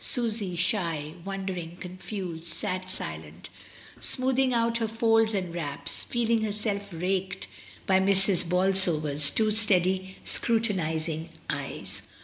Susy, shy, wondering, confused, sat silent, smoothing out her folds and wraps, feeling herself raked by Mrs. Bolsover's two steady scruti nising eyes.